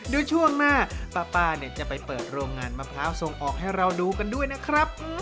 โดยช่วงหน้าป้าเนี่ยจะไปเปิดโรงงานมะพร้าวส่งออกให้เราดูกันด้วยนะครับ